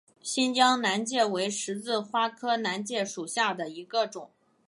新疆南芥为十字花科南芥属下的一个种。